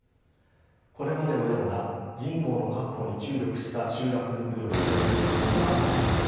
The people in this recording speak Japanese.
これまでのような人口の確保に注力した集落づくりを否定するつもりはありません。